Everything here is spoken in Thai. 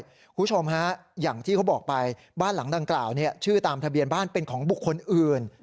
คุณผู้ชมฮะอย่างที่เขาบอกไปบ้านหลังดังกล่าวชื่อตามทะเบียนบ้านเป็นของบุคคลอื่น